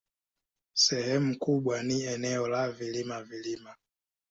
Sehemu kubwa ni eneo la vilima-vilima.